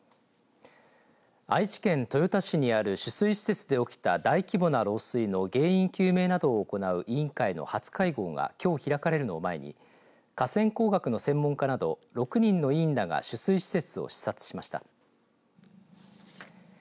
愛知県豊田市にある取水施設で起きた大規模な漏水の原因究明などを行う委員会の初会合がきょう開かれるのを前に河川工学の専門家など６人の委員らが取水施設を視察しました。